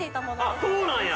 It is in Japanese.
◆あっ、そうなんや！